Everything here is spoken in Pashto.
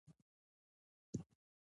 زه به تکرار شم بیرته